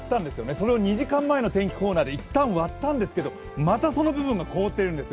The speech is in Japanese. それを２時間前の天気コーナーで一旦、割ったんですが、またその部分が凍ったんですよ。